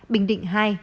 bình định hai